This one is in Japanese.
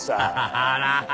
あら！